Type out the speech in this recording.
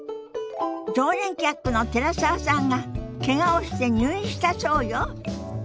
常連客の寺澤さんがけがをして入院したそうよ。